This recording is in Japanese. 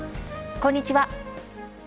こんにちは。